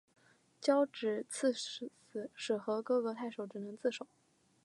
交址刺史和各个太守只能自守。